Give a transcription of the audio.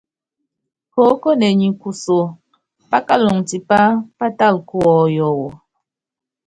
Koókone nyi kuso, pákaluŋɔ tipá pátala kuɔyɔ wu.